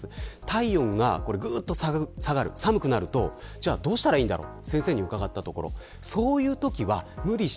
体温がぐっと下がって寒くなるとじゃあどうしたらいいんだろう。